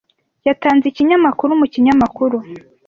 Yatanze ikinyamakuru mu kinyamakuru.